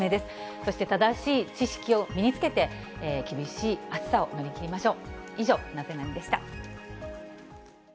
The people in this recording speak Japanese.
そして正しい知識を身につけて、厳しい暑さを乗り切りましょう。